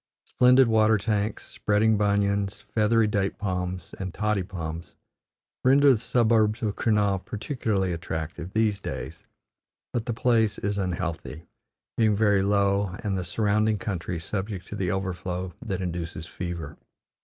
Splendid water tanks, spreading banyans, feathery date palms, and toddy palms render the suburbs of Kurnaul particularly attractive, these days; but the place is unhealthy, being very low and the surrounding country subject to the overflow that induces fever.